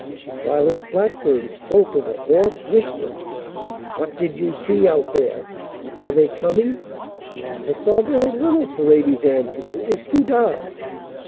Silas Blackburn spoke in a hoarse whisper: "What did you see out there? Are they coming?" "I saw very little," Paredes answered. "It was too dark."